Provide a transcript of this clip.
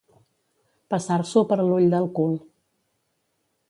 Passar-s'ho per l'ull del cul.